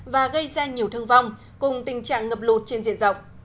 và gây ra nhiều thương vong cùng tình trạng ngập lụt trên diện rộng